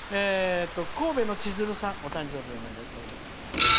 神戸のちづるさん、お誕生日おめでとうございます。